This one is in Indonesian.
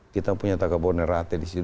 kita punya taka bonerate di situ